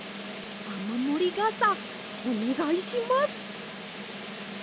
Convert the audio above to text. あまもりがさおねがいします！